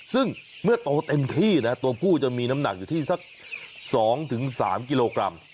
ซึ่งเมื่อโตเต็มที่นะตัวผู้จะมีน้ำหนักอยู่ที่สัก๒๓กิโลกรัม